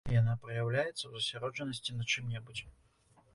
Яна праяўляецца ў засяроджанасці на чым-небудзь.